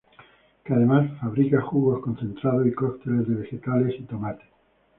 Que además fabrica jugos concentrados y cócteles de vegetales y tomate.